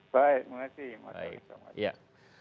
baik terima kasih